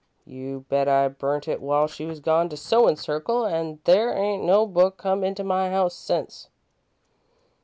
You bet I burnt it while she was gone to sewin' circle, an' there ain't no book come into my house since."